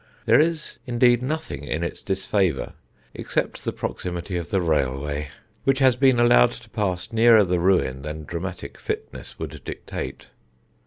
There is indeed nothing in its disfavour except the proximity of the railway, which has been allowed to pass nearer the ruin than dramatic fitness would dictate.